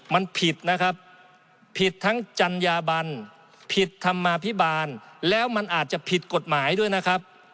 มันผิดนะครับผิดทั้งจัญญาบันผิดธรรมาภิบาลแล้วมันอาจจะผิดกฎหมายด้วยนะครับ